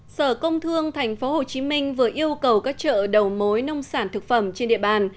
sở công thương tp hcm vừa yêu cầu các chợ đầu mối nông sản thực phẩm trên địa bàn